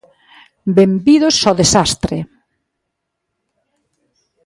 Benvidos ó desastre.